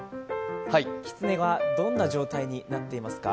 きつねがどんな状態になっていますか？